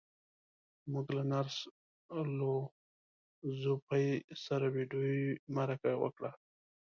موږ له نرس لو ځو پي سره ويډيويي مرکه وکړه.